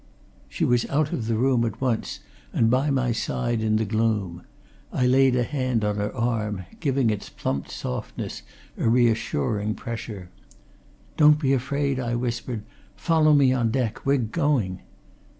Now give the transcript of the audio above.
She was out of the room at once and by my side in the gloom. I laid a hand on her arm, giving its plump softness a reassuring pressure. "Don't be afraid!" I whispered. "Follow me on deck. We're going."